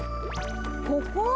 ここ？